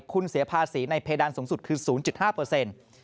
คุณเสียภาษีในเพดานสูงสุดคือ๐๕